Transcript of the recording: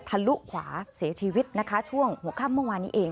ลุขวาเสียชีวิตนะคะช่วงหัวค่ำเมื่อวานนี้เอง